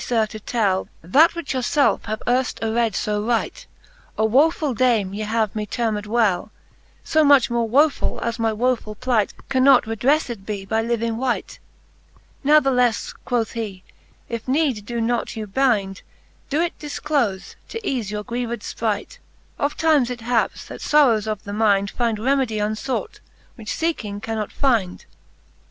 Sir, to tell That which your felfe have earft ared fo right ^ A wofull dame ye have me termed well ; So much more wofull, as my wofull plight Carmot redrefTed be by living wight. NathlefTe, quoth he, if need doe not you bynd. Doe it difclofe, to eafe your grieved Ipright : Oft times it haps, that forrowes of the mynd Find remedie unfought, which feeking cannot fynd..